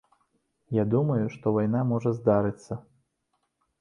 Я думаю, што вайна можа здарыцца.